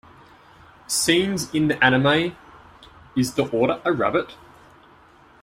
Scenes in the anime Is the Order a Rabbit?